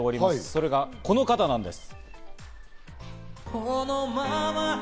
それがこの方です。